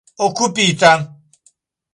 okupita